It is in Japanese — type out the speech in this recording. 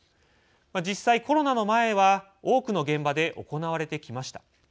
実際コロナの前は多くの現場で行われてきました。